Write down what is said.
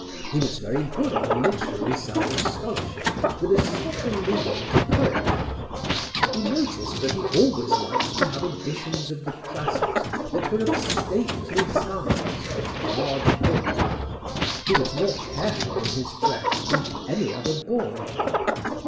He was very good on the literary side of scholarship, with a special leaning to poetry.... "We noticed that he always liked to have editions of the classics that were of stately size with large print.... He was more careful in his dress than any other boy.